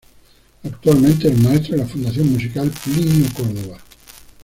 Actualmente es Maestro de la Fundación Musical Plinio Córdoba.